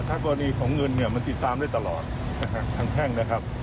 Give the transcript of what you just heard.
ทักกรณีของเงินมันติดตามได้ตลอดทางแพ่งนะครับ